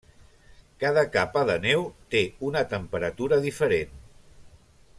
Cada capa de neu té una temperatura diferent.